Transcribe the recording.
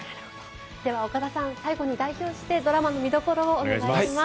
では、岡田さん最後に代表してドラマの見どころをお願いします。